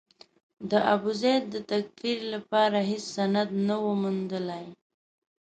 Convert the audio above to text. د ابوزید د تکفیر لپاره هېڅ سند نه و موندلای.